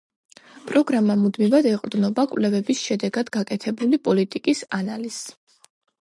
პროგრამა მუდმივად ეყრდნობა კვლევების შედეგად გაკეთებული პოლიტიკის ანალიზს.